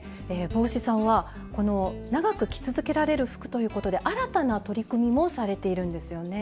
帽子さんはこの「長く着続けられる服」ということで新たな取り組みもされているんですよね。